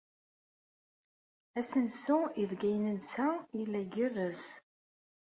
Asensu aydeg nensa yella igerrez.